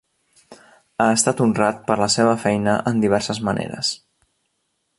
Ha estat honrat per la seva feina en diverses maneres.